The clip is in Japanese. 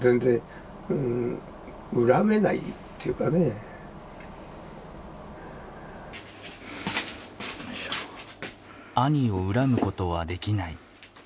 別に「兄を恨むことはできない」。